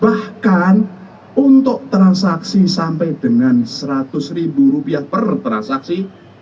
bahkan untuk transaksi sampai dengan rp seratus per transaksi